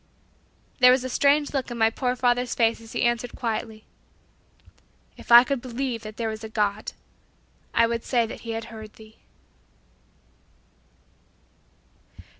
There was a strange look in my poor father's face as he answered quietly, "If I could believe that there was a God, I would say that He had heard thee."